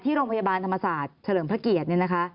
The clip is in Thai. ที่โรงพยาบาลธรรมศาสตร์เฉลิงเพราะเกียรติ